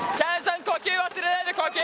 呼吸忘れないで、呼吸。